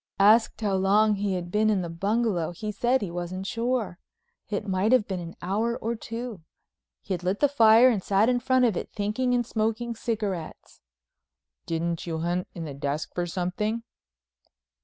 Asked how long he had been in the bungalow he said he wasn't sure—it might have been an hour or two. He had lit the fire and sat in front of it thinking and smoking cigarettes. "Didn't you hunt in the desk for something?"